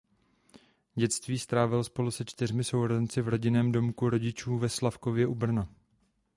Dětství strávil spolu se čtyřmi sourozenci v rodinném domku rodičů ve Slavkově u Brna.